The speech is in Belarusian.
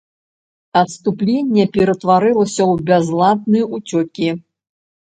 Адступленне ператварылася ў бязладны ўцёкі.